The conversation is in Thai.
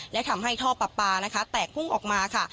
และทำให้ท่อปลาปลานะคะแตกพุ่งออกมาค่ะ